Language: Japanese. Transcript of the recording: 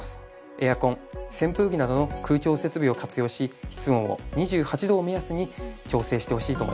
エアコン扇風機などの空調設備を活用し室温を２８度を目安に調整してほしいと思います。